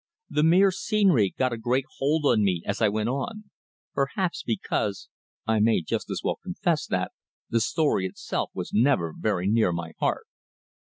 The mere scenery got a great hold on me as I went on, perhaps because (I may just as well confess that) the story itself was never very near my heart.